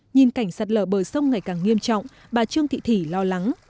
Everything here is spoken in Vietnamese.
nhìn cảnh sát lở bờ sông ngày càng nghiêm trọng bà trương thị thỉ lo lắng